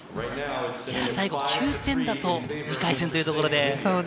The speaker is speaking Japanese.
最後９点だと２回戦というところで。